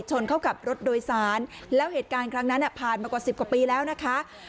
ชนเข้ากับรถโดยสารแล้วเหตุการณ์ครั้งนั้นผ่านมากว่าสิบกว่าปีแล้วนะคะ